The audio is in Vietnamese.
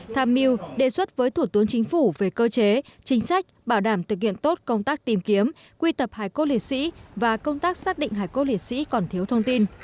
tham mưu đề xuất với thủ tướng chính phủ về cơ chế chính sách bảo đảm thực hiện tốt công tác tìm kiếm quy tập hải cốt lễ sĩ và công tác xác định hải cốt liệt sĩ còn thiếu thông tin